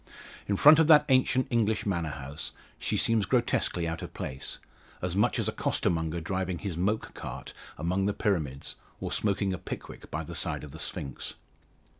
In front of that ancient English manor house, she seems grotesquely out of place as much as a costermonger driving his moke drawn cart among the Pyramids, or smoking a "Pickwick" by the side of the Sphinx.